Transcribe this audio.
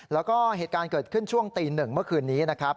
แล้วก็เหตุการณ์เกิดขึ้นช่วงตีหนึ่งเมื่อคืนนี้นะครับ